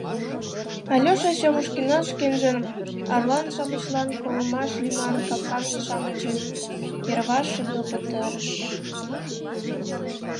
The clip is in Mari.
Алеша Сёмушкинат шкенжын «арлан-шамычлан колымаш» лӱман капканже-шамычым йырваш шындыл пытарыш.